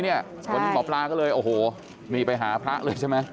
วันนี้หมอปลาก็เลยโอ้โหนี่ไปหาพระเลยใช่ไหม